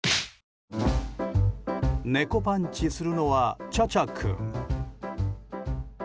猫パンチするのはチャチャ君。